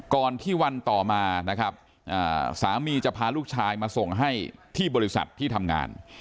ก่อนที่วันต่อมานะครับสามีจะพาลูกชายมาส่งให้ที่บริษัทที่ทำงาน